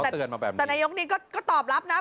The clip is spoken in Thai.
แต่นายกนี่ก็ตอบรับนะ